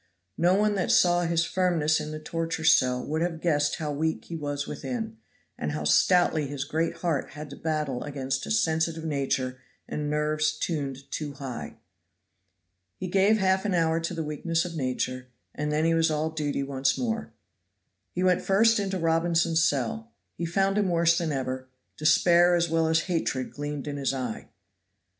No one that saw his firmness in the torture cell would have guessed how weak he was within, and how stoutly his great heart had to battle against a sensitive nature and nerves tuned too high. He gave half an hour to the weakness of nature, and then he was all duty once more. He went first into Robinson's cell. He found him worse than ever: despair as well as hatred gleamed in his eye.